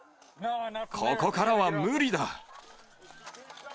ここからは無理だ。